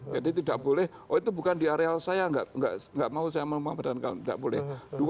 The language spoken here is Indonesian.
jadi tidak boleh oh itu bukan di area saya tidak mau saya memadamkan tidak boleh